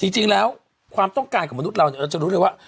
จริงแล้วความต้องการของมนุษย์เราเราจะรู้เลยว่า